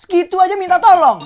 segitu aja minta tolongnya